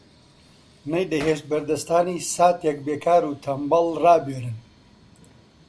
نەیدەهێشت بەردەستانی ساتێک بێکار و تەنبەڵ ڕایبوێرن